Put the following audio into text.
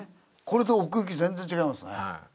これで奥行き全然違いますね。